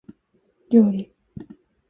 料理